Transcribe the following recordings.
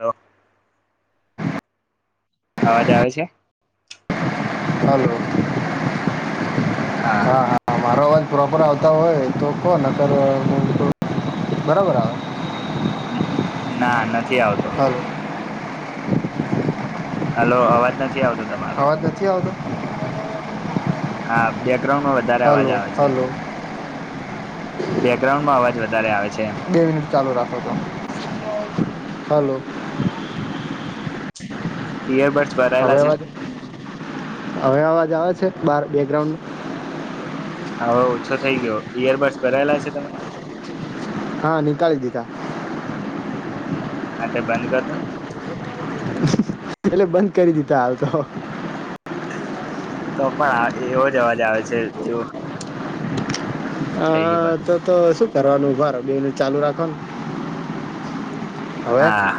લો. અવાજ આવે છે? હલો. હા. હા હા, મારો અવાજ પ્રોપર આવતા હોય તો કો નકર બરાબર આવે. ના, નથી આવતો. હલો હલો, અવાજ નથી આવતો તમારો અવાજ નથી આવતો? હા, બેગ્રાઉન્ડનો વધારે અવાજ હલો આવે છે એમ. હલો બેગ્રાઉન્ડમાં અવાજ વધારે આવે છે એમ. બે મિનિટ ચાલુ રાખોતો હલો. ઇયરબડ્સ. હવે અવાજ, હવે અવાજ આવે છે બાર બેગ્રાઉન્ડ હા, હવે ઓછો થઈ ગયો ઈયરબડ્સ ભરાયેલા છે તમે? હા, નિકાળી દીધા. હા, તે બંધ કરદો. એેટલે બંધ કરી દીધા હાલ તો. તો પણ આ એવો જ અવાજ આવે છે જો. થઈ ગયો હા, બંધ તો તો શું કરવાનું ઉભા રો બે મિનિટ ચાલુ રાખોને. હવે, હા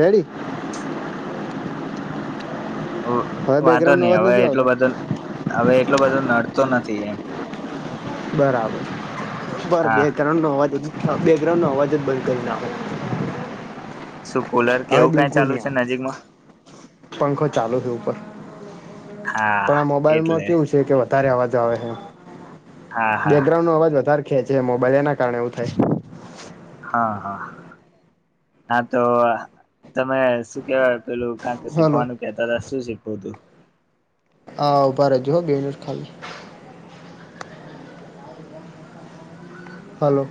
રેડી. હવે વાંધો બેકગ્રાઉન્ડનો ની અવાજ હવે નથી આવતો એટલું બધું હવે એટલુ બધો નડતો નથી એમ. બરાબર, પર હા બેગ્રાઉન્ડ નો અવાજ હધું. બેકગ્રાઉન્ડ નો અવાજ જ બંધ કરી નાખો. શું કુલર કે હવે એવું કાઈ બિલકુલ ચાલુ નહીં છે આવે નજીકમાં? પંખો ચાલુ છે ઉપર, હા પણ આ મોબાઈલમાં એટલે કેવું છે કે વ વધારે અવાજ આવે હે, હા હા બેકગ્રાઉન્ડનો અવાજ વધારે ખેંચે હે મોબાઈલ એના કારણે એવું થાય. હા. હા. હા તો તમે શું કેવાય પેલુ? કાંક હલો શીખવાનું કેતાતા શું શીખવુંતું? આ ઉભા રહેજો હો બે મિટ ખાલી. હાલો,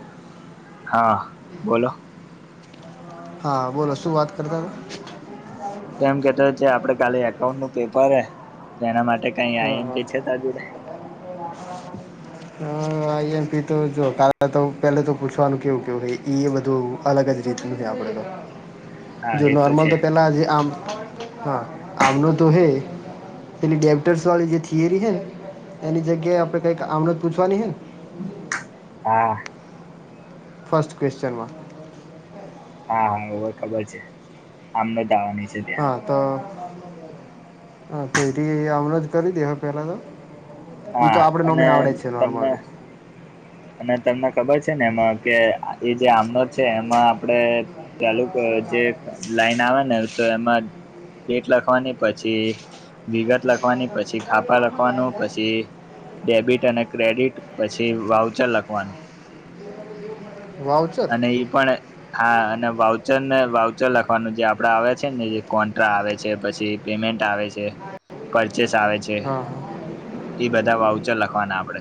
હા. બોલો. હા. બોલો શું વાત કરતા હતા? તો એમ કેતો છે આપડે કાલે એકાઉન્ટનું પેપર હે તો એના માટે કાંઈ હતા આઈ એમ હા પી છે તાર જોડે? હ આઈ એમ પી તો જો કાલે તો પેલા તો પૂછવાનું કેવું કેવું ઈ એ બધું, અલગ જ રીતનું છે આપણે તો. હા જો એ નોર્મલ છે તો પહેલાં જે આમ, હા. આમનો તો હે. પેલી ડેપટર્સ વાળી જે થિયરી હે ને એની જગ્યાએ આપડે કંઈક આમડત પૂછવાની હે ને, હા, ફર્સ્ટ ક્વેશ્ચનમાં, હા હવે ખબર છે આમ આમડત આવાની છે. ત્યાં હા. તો હા તો એ આવડત કરી દેવા પેલા તો, એ તો હા આપડે અને ઓમેય આવડે જ છે નોર્મલ તમને બી, અને તમને ખબર છેને એમાં કે એ જે આમનોટ છે. એમાં આપડે, ચાલુ ક જે એક લાઈન આવે ને તો એમાં, ડેટ લખવાની પછી, વિગત લખવાની, પછી ખાપા લખવાનું, પછી, ડેબિટ અને ક્રેડિટ પછી વાઉચર લખવાનું વાઉચર અને ઈ પણ હા અને વાઉચરને વાઉચર લખવાનું જે આપડા આવે છેને જે કોન્ટ્રા આવે છે પછી પેમેન્ટ આવે છે, પરચેસ આવે છે. હા તે ઈ બધા વાઉચર લખવાના આપડે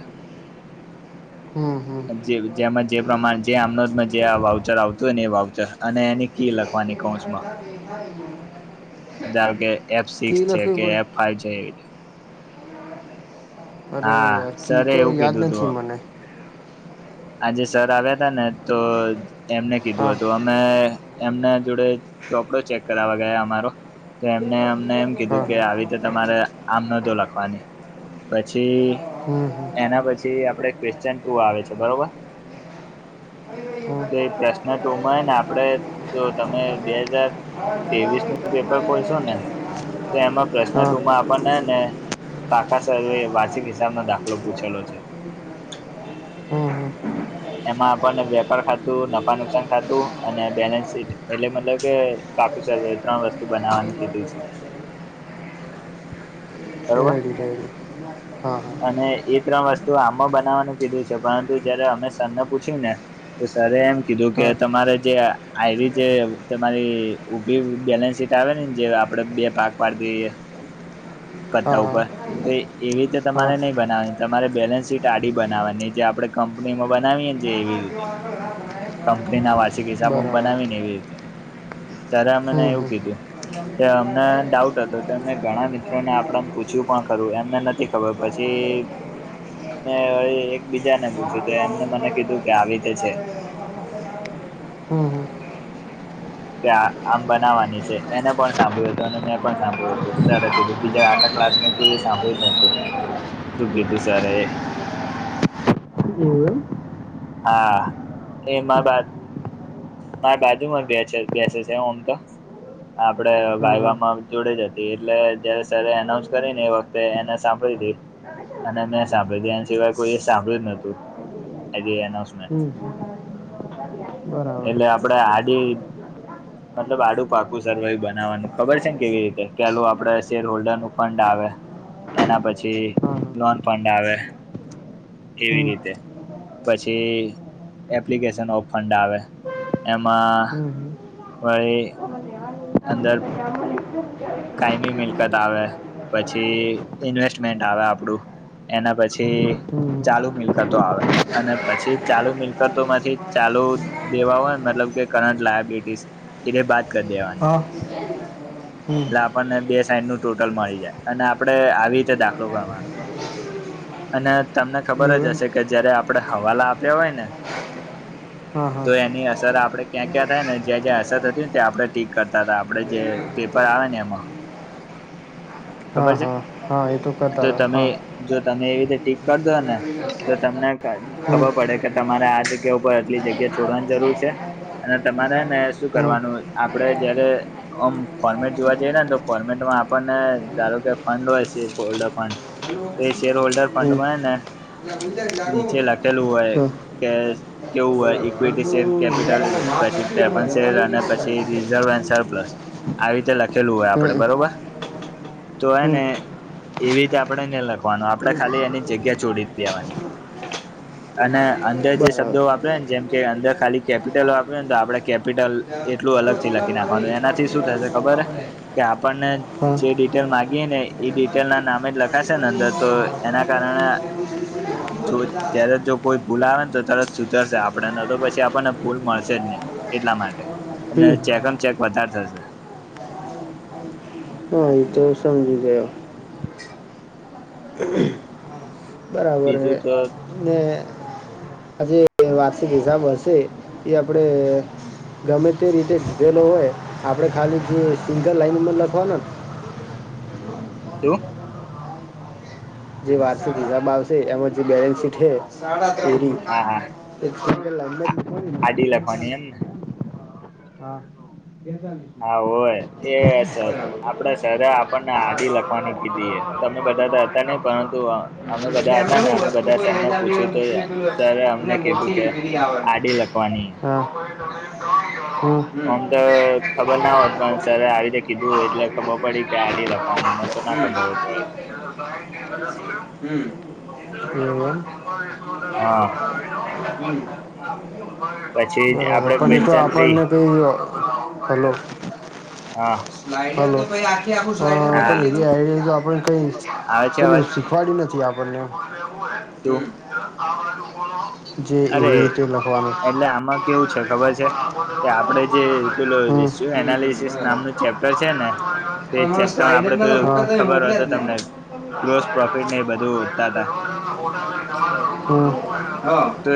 હમ હમ જે જેમાં જે પ્રમાણે જે આમનોટ જે આ વાઉચર આવતું હોય ને એ વાઉચર અને એની કી લખવાની કાઉન્સમાં [inaudible] ધારો કે એફ સિક્સ કી છે લખવી કે પડે એફ ફાઈવ છે એ અરે હા યાર! કી સરે તો એવું યાદ કીધું નથી તું મને. આજે સર આવ્યાતા ને તો એમને કીધું હા હતું. આ અમે એમના જોડે ચોપડો ચેક કરાવવા ગયા અમારો તો એમને અમને એમ હા કીધું કે આવી રીતે તમારે આમ નતું લખવાની પછી, હમ હમ એના પછી આપડે ક્વેશ્ચન ટુ આવે છે, બરોબર? [inaudible] તો એ પ્રશ્ન ટુમાં હેને આપડે જો તમે બે હજાર તેવીસનું પેપર ખોલશો ને તો એમાં પ્રશ્ન હા ટુમાં પણ હેને પાકા સર્વે વાર્ષિક હિસાબનો દાખલો પૂછેલો છે. હમ્મ, હમ્મ. એમાં આપણને વેપાર ખા તું, નફા-નુકસાન ખાતું અને બેલેન્સ શીટ એટલે મતલબ કે પાકુ સર્વે એ ત્રણ વસ્તુ બનાવાનું કીધુ છે. બરોબર એ [unintelligible] હા અને એ ત્રણ વસ્તુ આમમાં બનાવવાનું કીધું છે, પરંતુ જયારે અમે સરને પૂછ્યુંને તો સરએ એમ કીધું કે હા તમારે જે આયવી જે તમારી ઊભી બેલેન્સ શીટ આવે ને જે આપડે બે ભાગ પાડ દ‌ઇએ. [inaudible] કરતાં હા ઉપર, તો એવી રીતે હા તમારે નય નથી બનાવાની, તમારે બેલેન્સ શીટ આડી બનાવવાની જે આપડે કંપનીમાં બનાવીએ ને જે એવી રીતે [unintelligible] કંપનીના વાર્ષિક હિસાબો બરાબર બનાવીને એવી રીતે, સર એ મને હમ એવું હમ કીધું એ અમને ડાઉટ હતો તો ઘણા મિત્રોને આપડે પૂછવ્યું પણ ખરું એમને નથી ખબર પછી મેં વળી એક બીજાને પૂછ્યું તો એમને મને કીધું કે આવી રીતે છે. હમ્મ, હમ્મ. કે આમ બનાવવાની છે. એને પણ સાંભળ્યું હતું અને મેં પણ સાંભળ્યું હતું કીધું, બીજા આખા ક્લાસ મેં કોઈ એ સાંભળ્યું જ નતું, શું કીધું સર એ [unintelligible] હા, એમાં બાદ મારે બાજુમાં બેસે બેસે છે ઓમ તો આપડે હા હા વાયવામાં જોડે જ હતી, એટલે જયારે સર એનાઉન્સ કરીને એ વખતે તો એને સાંભળી હતી અને મેં સાંભળી હતી. એના સિવાય કોઈ સાંભળ્યું નતું એલી અનાઉન્સમેન્ટ હમ્મ, બરાબર. એટલે આપડે આડી મતલબ આડું પાકું સરવાયું બનાવવાનું ખબર છે ને કેવી રીતે પલું આપડે શેર હોલ્ડરનું ફંડ આવે એના પછી હા હા લોન ફંડ આવે એવી હમ હમ રીતે પછી એપ્લિકેશન ઓફ ફંડ આવે એમાં હમ ફરી અંદર કાયમી મિલકત આવે પછી ઇન્વેસ્ટમેન્ટ આવે આપડું એના પછી હમ ચાલુ મિલકતો આવે અને પછી ચાલુ મિલકતો માંથી ચાલુ દેવા હોય ને મતલબ કે કરંટ લાયાબિલિટીસ એટલે બાદ કરી દેવાની હા હમ એટલે આપણને બે સાઈડનું ટોટલ મળી જાય અને આપડે આવી રીતે દાખલો ગણવાનો અને તમને ખબર જ એવું એમ હશે કે જયારે આપડે હવાલા આપ્યા હોય ને હા હા તો એની અસર આપડે ક્યાં ક્યાં થાય ને જ્યાં જ્યાં અસર થતી ને ત આપણે ટિક કરતા હતા આપણે જે પર આવે ને એમાં હા ખબર છે હા હા એ કરતા તો હતા તમે હા જો તમે એવી રીતે ટીક કર દો ને તો તમને હમ ખબર હમ પડે કે તમારે આ જગ્યા ઉપર આટલી જગ્યા છોડવાની જરૂર છે. અને તમારે ને શું હમ હા કરવાનું આપડે જયારે ઓમ ફોર્મેટ જોવા જઈએ ને તો ફોર્મેટમાં આપણને ધારો કે ફંડ હોય છે ઓલ્ડર ફંડ હમ તો એ શેર હોલ્ડર હમ ફંડમાંય ને નીચે લખેલું હોય કે કેવું હોય ઇક્વિટી શેર કેપિટલ પછી પ્રેફરન્સ શેર અને પછી રિઝર્વન્ પ્લસ આવી રીતે લખેલું હોય આપડે બરોબર તો એને એવી રીતે આપણે ને લખવાનું આપડે ખાલી એની જગ્યા છોડી દેવાની [inaudible] અને અંદર જે બરાબર શબ્દો વાપરને જેમ કે અંદર ખાલી કેપિટલ વાપરને તો આપડે કેપિટલ એટલું અલગથી લખી નાખવાનું એનાથી શું થશે ખબર કે આપણને હા ડિટેલ માગીએ ને ડિટેલ ના નામે જ લખાશે ને અંદર તો એના કારણે જો [inaudible] ત્યારે જો કોઈ ભૂલ આવે ને તો તરત સુધરશે આપણેને તો પછી આપણને ભૂલ મળશે જ નહી એટલા માટે અને હમ ચેકમ ચેક વધારે થશે હ એ તો સમજી ગયો [inaudible] હ [unintelligible] બીજું તો ને આજે વાર્ષિક હિસાબ હશે એ આપડે ગમે તે રીતે દીધેલો હોય આપણે ખાલી જે સિંગલ લાાઈનમાં લખવાનો ને [unintelligible] જે વાર્ષિક હિસાબ આવશે એમાં જે બેલેન્સ સીટ છે હા હા આડી લખવાની એમ હા હોય એ સર આપડા સરે પ [unintelligible] હા [unintelligible] તો બધા દાતા ને પરંતુ અમે બધા એમ તો હતા ને હું અમે વસ્તુ બધા કોઈ લઈ સરને જાવી હોય પૂછ્યું તો મૂકવી હોય પેલું સર અમને એટલે કીધું કે મોટી વીરી આવવાની આજ થી લખવાની [inaudible] આમ તો ખબર ના હોત પણ સર આવી રીતે કીધું હો એટલે ખબર પડી કે આડી લખ વાની, અને તો ના ખબર હોય. હ, એવું એમ. હમમ હા પછી આપડે બરોબર પણ એતો ક્વેશ્ચન થ્રી આપણને તો, હેલો, હા હલો, હા પણ એવી આ [unintelligible] આપણે કઈ, આવે છે પેલું અવાજ શીખવાડ્યું નથી આપણને એમ, શું જે અરે એવી રીતે લખવાનું એટલે આમાં કેવું છે, ખબર છે. કે આપડે જે પેલો હમ હમ હમ એનાલિસસ બરાબર નામનું ચેપ્ટર છે ને, તો પણ મને ચેપ્ટરમાં આપડે સ્લાઈડરના તો પેલું ફોટા તમે ખબર હોય મોકલ્યા તો જ તમને ગ્રોસ પ્રોફિટ ને એ બધું હોદતાતા, હમમ હા, તો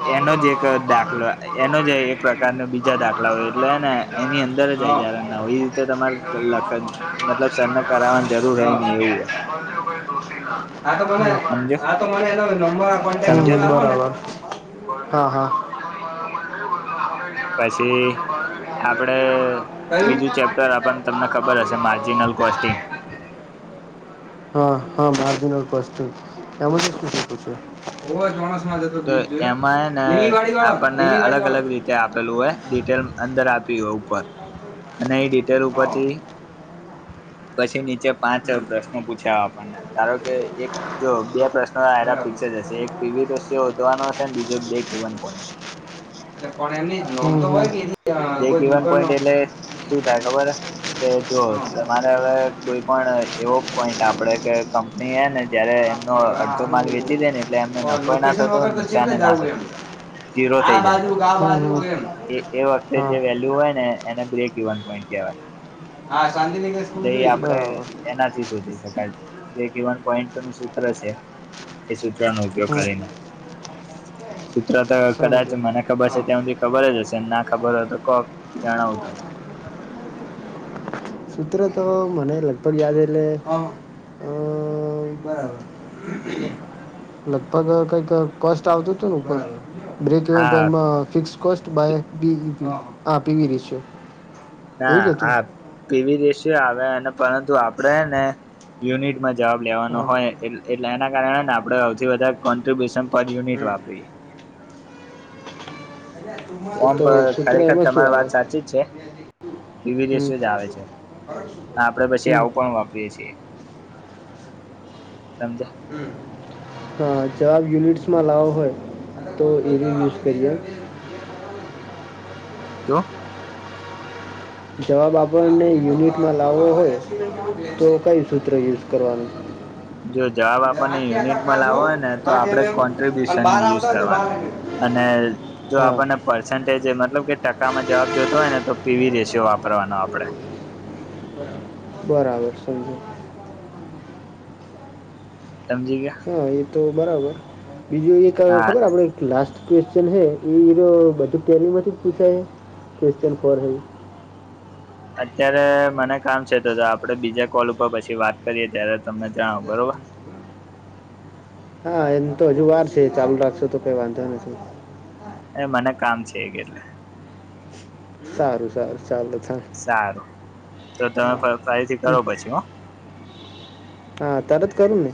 હા એનો હા જ એક આ દાખલો એનો જ એક પ્રકારનો બીજા દાખલા હોય એટલે હેને, એની અંદર જ આઇ જાય જ્યારે ના એ રીતે તમારે લખત, મતલબ સરને કરાવવાની જરૂર હૈ નહી એવું હોય. હા તો બનાય, સમજો આ તો મને એનો નંબર કોનટેક સમજે નંબર તું આપો ને, હા હા, પછી આપડે, ત્રીજું ચેપ્ટર કયું, આપણ તમને ખબર હશે હા માર્જિનલ કોસ્ટિંગ હા મારા જોડે વસ્તુ એમાં [unintelligible] તો જોયો એમાં એ ને લીલીવાડી વાળો આપણને અલગ લીલીવાડી વાળો અલગ રી આપેલું હોય ડિટેલ અંદર આપી હોય ઉપર અને એ ડીટે પેલું હા પછી, પછી નીચે પાંચ હમ પ્રશ્નો પૂછ્યા આપણને. ધારો કે એક જો બે પ્રશ્નો એના બરાબર ફિક્સ જ હશે એક [unintelligible] નો, શોધવાનું હશે ને બીજું બે ગિવન પોઈન્ટ, પણ એમ નહી [unintelligible] તો હોય, એની અ, બે કોઈ ગિવન દુકાનનો પોઈન્ટ એટલે શું થાય ખબર હ, કે જો હા તમારે હવે કોઈ પણ એવો પોઈન્ટ આપડે કે કંપ ની હેને જયારે હા એમનો અડધો પણ માલ હવે વેચી દે ને એટલે એમને સારું નફો ના થતો લોકેશન હોય, વગર ને તો નુકસાન ચેટલે એ ના જવું એમ થતું હોય. જીરો આ થઈ જાય બાજુ કે આ બાજુ કે એમ એ એ વખ તે હા જે વેલ્યુ હોય ને એને બ્રેક ગિવન પોઈન્ટ કહેવાય. હા શાંતિનિકેતન સ્કૂલ એટલે એ જોઈ આપડે બરાબર એના, થી સોધી શકાય જે ગિવન પોઈન્ટ નું સૂત્ર છે. એ સૂત્રનો ઉપયોગ હમ કરીને. સૂત્ર તો કદાચ સમજ્યો મને ખબર છે હા ત્યાં સુધી ખબર જ હશે ના, ખબર હો તો કોક જણાવજો. સૂત્ર તો મને લગભગ યાદ એલે અ, બરાબર, લગભગ કઈક કોસ્ટ આવતું ઉપર નુ. બ્રેક વન હા પોઇન્ટમાં fix cost, by B E P, આ પી ઈ રેશિયો, એવું ના જ હતું આપ પીવી રેશિયો આવે અને પરંતુ આપડે ને યુનિટમા જવાબ લેવાનો હા હોય એટલે એના કારણે ને આપણે સૌથી વધારે કોન્ટ્રિબ્યુશન પર યુનિટ હમ વાપરીએ. એ ઓમ્પ તો સૂત્ર ખરેખર એમાં શું તમારી આવે વાત સાચી જ છે ની વી હમ રેશિયો જ આવે છે. હ આપડે પછી હમ આવું પણ વાપરીએ છીએ સમજીયા. હા ચાર યુનિટ્સ માં લાવો હોય તો એ વી યુઝ કરીએ, શું? જવાબ આપણને યુનિટમાં લાવવો હોય, તો કઈ સૂત્ર યુઝ કરવાનું. હ જો જવાબ આપણને યુનિટમાં લાવવો હોય ને, તો આઠ આપડે અને બાર કોન્ટ્રિબ્યુશનનું યુઝ આવતા હોય તો કરવાનો. બાર અને, જો હા આપણને પર્સન્ટેજ એ મતલબ કે ટકામાં જવાબ જોઇતો હોય ને તો પીવી રેશિયો વાપરવાનો આપડે. બરાબર, સમજ્યો. સમજી ગ્યા? હા, એ તો બરાબર. બીજું એક હા ખબર આપડે લાસ્ટ ક્વેશ્ચન હૈ, એઇરો બધું ટેલીમાંથી જ પૂછાય? ક્વેશ્ચન ફોર હે અત્યારે મને કામ છે, તો જો આપડે બીજા કોલ ઉપર પછી વાત કરીએ ત્યારે તમને જણાવુ, બરોબર? હા, એમ તો હજુ વાર છે. ચાલુ રાખશો તો કઈ વાંધો નથી. એ મને કામ છે એક એટલે. સારું સારું, ચાલો થે સારું, તો તમે ફ ફરીથી કરો પછી હોં. હા, તરત કરું ને?